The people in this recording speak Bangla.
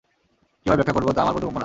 কীভাবে ব্যাখ্যা করব তা আমার বোধগম্য না!